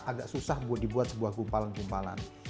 agak susah buat dibuat sebuah gumpalan gumpalan